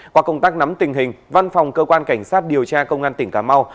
qua công tác nắm tình hình văn phòng cơ quan cảnh sát điều tra công an tỉnh cà mau